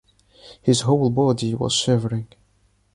His whole body was shivering.